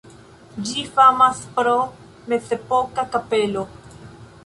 Ĝi famas pro mezepoka kapelo.